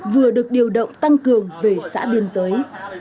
vừa được điều động tăng cường về xã biên giới